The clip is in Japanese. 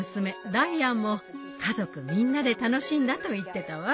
ダイアンも「家族みんなで楽しんだ」と言ってたわ。